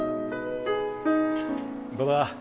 どうだ？